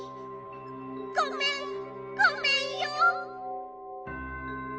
ごめんごめんよ！